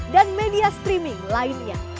dan media streaming lainnya